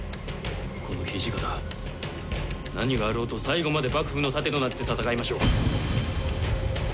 この土方何があろうと最後まで幕府の盾となって戦いましょう。